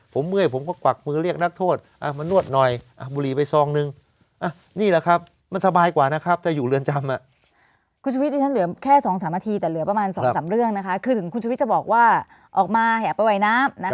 ผมก็นั่งอ่านหนังสือทั้งวัน